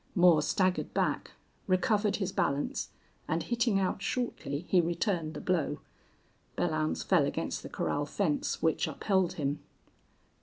Moore staggered back, recovered his balance, and, hitting out shortly, he returned the blow. Belllounds fell against the corral fence, which upheld him.